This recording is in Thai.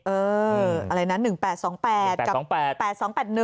เอออะไรนะ๑๘๒๘กับ๘๒๘๑